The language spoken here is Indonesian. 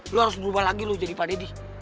lu harus berubah lagi lu jadi pak deddy